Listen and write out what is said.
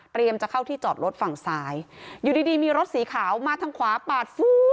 จะเข้าที่จอดรถฝั่งซ้ายอยู่ดีดีมีรถสีขาวมาทางขวาปาดฟู้